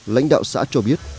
lãnh đạo xã cho biết